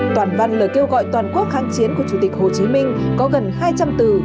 toàn văn lời kêu gọi toàn quốc kháng chiến của chủ tịch hồ chí minh có gần hai trăm linh từ